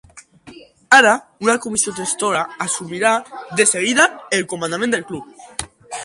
Ara, una comissió gestora assumirà de seguida el comandament del club.